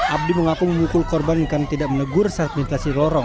abdi mengaku memukul korban karena tidak menegur saat melintasi lorong